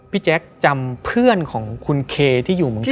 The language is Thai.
แจ๊คจำเพื่อนของคุณเคที่อยู่เมืองกา